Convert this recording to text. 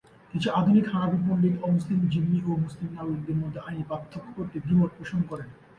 কিছু আধুনিক হানাফি পণ্ডিত অমুসলিম জিম্মি ও মুসলিম নাগরিকদের মধ্যে আইনি পার্থক্য করতে দ্বিমত পোষণ করেন।